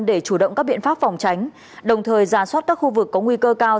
để chủ động các biện pháp phòng tránh đồng thời giả soát các khu vực có nguy cơ cao